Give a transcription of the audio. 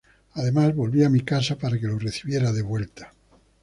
Además, volvía a mi casa para que lo recibiera de vuelta.